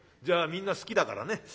じゃあみんな好きだからね。